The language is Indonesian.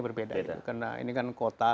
berbeda karena ini kan kota